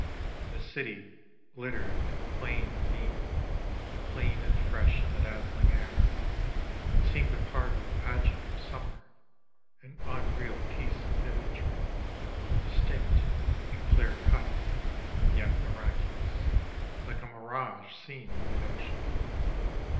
The city glittered in the plain beneath, clean and fresh in the dazzling air; it seemed a part of the pageant of summer, an unreal piece of imagery, distinct and clear cut, yet miraculous, like a mirage seen in mid ocean.